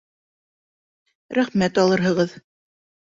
Рәхмәт алырһығыҙ.